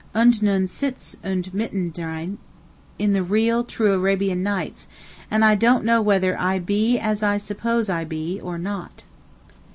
'Und nun sitz ich mitten drein' in the real, true Arabian Nights, and don't know whether 'I be I as I suppose I be' or not.